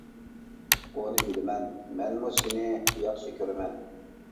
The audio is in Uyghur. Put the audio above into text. بۇنى بىلىمەن، مەنمۇ سېنى ياخشى كۆرىمەن.